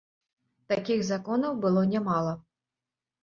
Такіх законаў было нямала.